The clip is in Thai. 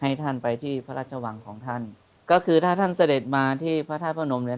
ให้ท่านไปที่พระราชวังของท่านก็คือถ้าท่านเสด็จมาที่พระธาตุพระนมเนี่ย